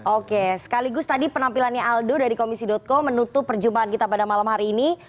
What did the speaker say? oke sekaligus tadi penampilannya aldo dari komisi co menutup perjumpaan kita pada malam hari ini